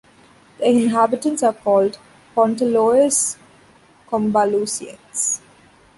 The inhabitants are called "Pontellois-Combalusiens".